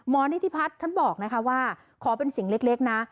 นิธิพัฒน์ท่านบอกนะคะว่าขอเป็นสิ่งเล็กนะ